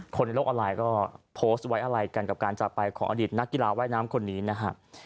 ในโลกออนไลน์ก็โพสต์ไว้อะไรกันกับการจากไปของอดีตนักกีฬาว่ายน้ำคนนี้นะครับ